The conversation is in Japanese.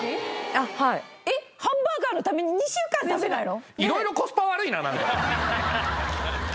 あっはいえっハンバーガーのために２週間食べないの？